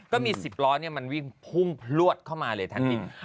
ก็เรียกกล้องอะไร